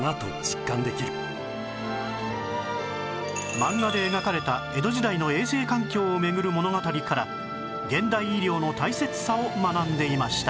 漫画で描かれた江戸時代の衛生環境を巡る物語から現代医療の大切さを学んでいました